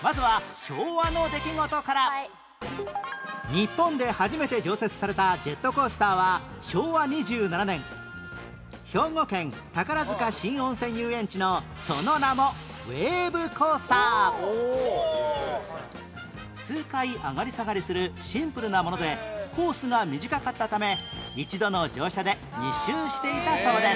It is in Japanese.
日本で初めて常設されたジェットコースターは昭和２７年兵庫県宝塚新温泉遊園地のその名も数回上がり下がりするシンプルなものでコースが短かったため一度の乗車で２周していたそうです